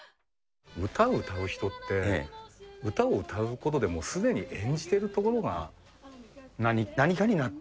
歌を歌う人って、歌を歌うことですでに演じてるところが、何かになってて。